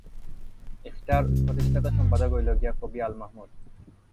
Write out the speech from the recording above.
এর প্রতিষ্ঠাতা সম্পাদক কবি আল মাহমুদ।